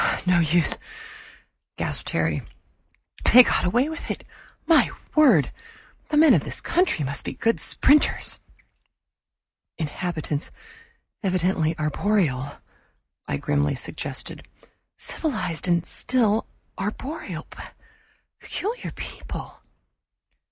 "No use," gasped Terry. "They got away with it. My word! The men of this country must be good sprinters!" "Inhabitants evidently arboreal," I grimly suggested. "Civilized and still arboreal peculiar people."